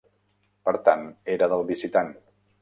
Per tant, era del visitant.